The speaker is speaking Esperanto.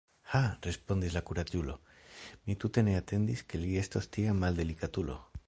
Ha, respondis la kuraĝulo, mi tute ne atendis, ke li estos tia maldelikatulo!